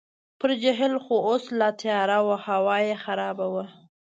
پر جهیل خو اوس لا تیاره وه، هوا یې خرابه وه.